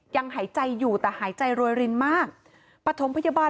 ยังหายใจอยู่แต่หายใจรวยรินมากปฐมพยาบาล